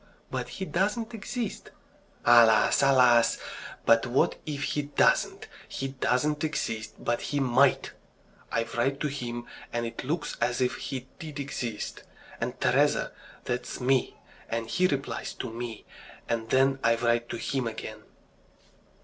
"But he doesn't exist." "Alas! alas! But what if he doesn't? He doesn't exist, but he might! I write to him, and it looks as if he did exist. And Teresa that's me, and he replies to me, and then I write to him again..."